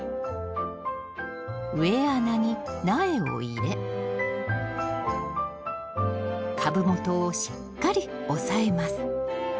植え穴に苗を入れ株元をしっかり押さえます